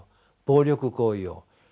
暴力行為を。